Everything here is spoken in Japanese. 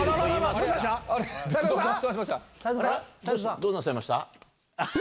どうなさいました？